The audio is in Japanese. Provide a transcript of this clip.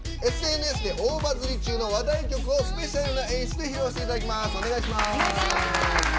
ＳＮＳで大バズり中の話題曲をスペシャルな演出で披露していただきます。